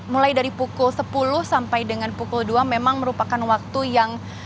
mulai dari pukul sepuluh sampai dengan pukul dua memang merupakan waktu yang